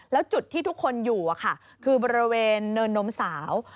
แล้วจุดที่ทุกคนอยู่คือบริเวณเนินนมสาว